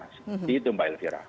begitu mbak elvira